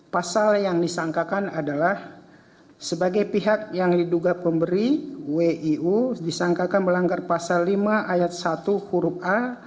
pasal yang disangkakan adalah sebagai pihak yang diduga pemberi wiu disangkakan melanggar pasal lima ayat satu huruf a